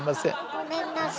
ごめんなさい。